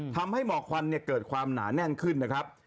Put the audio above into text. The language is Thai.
หมอกควันเกิดความหนาแน่นขึ้นนะครับ